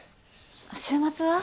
週末は？